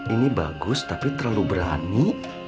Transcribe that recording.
ini bagus tapi terlalu berani